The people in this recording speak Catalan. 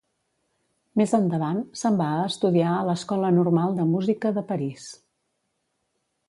Més endavant, se'n va a estudiar a l'Escola Normal de Música de París.